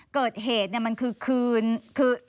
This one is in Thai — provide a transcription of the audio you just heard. เกิดเหตุเนี่ยมันคือคืนคือ